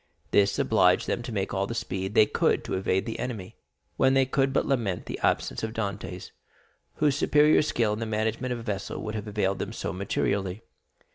This obliged them to make all the speed they could to evade the enemy, when they could but lament the absence of Dantès, whose superior skill in the management of a vessel would have availed them so materially.